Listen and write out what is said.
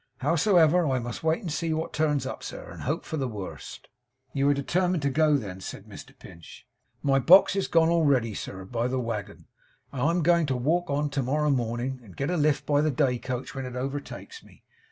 Howsever, I must wait and see what turns up, sir; and hope for the worst.' 'You are determined to go then?' said Mr Pinch. 'My box is gone already, sir, by the waggon, and I'm going to walk on to morrow morning, and get a lift by the day coach when it overtakes me.